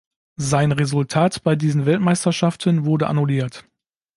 Sein Resultat bei diesen Weltmeisterschaften wurde annulliert.